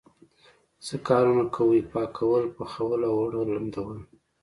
څه کارونه کوئ؟ پاکول، پخول او اوړه لمدول